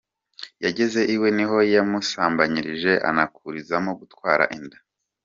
Yageze iwe ni ho yamusambanirije anakurizamo gutwara inda.